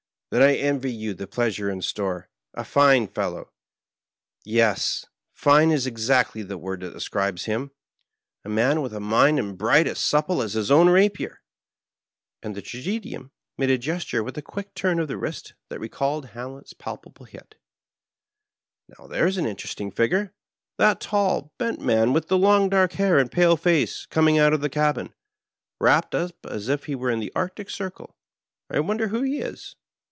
" Then I envy you the pleasure in store. A fine fellow : yes, ^fijie' is exactly the word that describes him — a man with a mind as bright and supple as his own rapier" ; and the Tragedian made a gesture with a quick turn of the wrist that recalled HomHePB palpable hit. " Now, there's an interesting figure — ^that tall, bent man with the long dark hair and pale face, coming out of the cabin, wrapped up as if we were in the Arctic Circle. I wonder who he is."